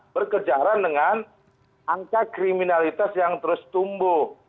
berkejaran dengan angka kriminalitas yang terus tumbuh